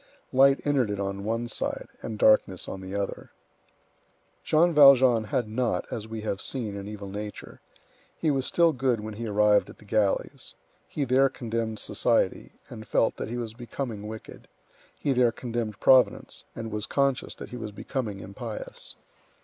Light entered it on one side, and darkness on the other. Jean Valjean had not, as we have seen, an evil nature. He was still good when he arrived at the galleys. He there condemned society, and felt that he was becoming wicked; he there condemned Providence, and was conscious that he was becoming impious.